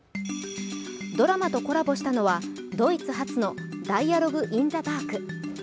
ドラマとコラボしたのはドイツ発のダイアログ・イン・ザ・ダーク。